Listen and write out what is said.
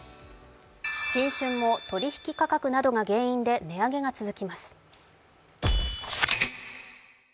新春も取引価格などが原因で値上げが続きます。